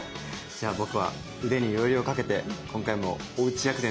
じゃあ僕は腕によりをかけて今回もおうち薬膳作っちゃいます！